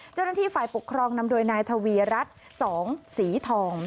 เจ้าหน้าที่ฝ่ายปกครองนำโดยนายทวีรัฐสองสีทอง